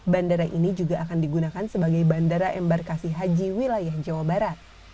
bandara ini juga akan digunakan sebagai bandara embarkasi haji wilayah jawa barat